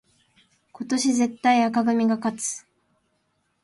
今年絶対紅組が勝つ